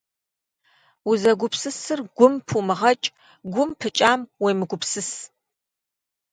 Узэгупсысыр гум пумыгъэкӏ, гум пыкӏам уемыгупсыс.